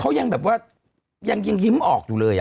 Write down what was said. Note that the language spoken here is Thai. เขายังแบบว่ายังยิ้มออกอยู่เลย